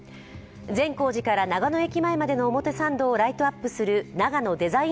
善光寺から長野駅前までの表参道をライトアップする長野デザイン